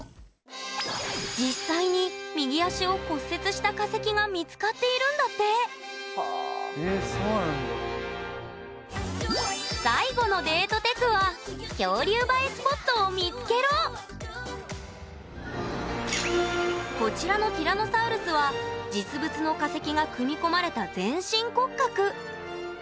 実際に右足を骨折した化石が見つかっているんだって最後のデートテクはこちらのティラノサウルスは実物の化石が組み込まれた全身骨格。